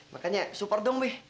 makanya super dong be